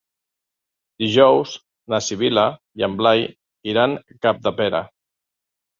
Dijous na Sibil·la i en Blai iran a Capdepera.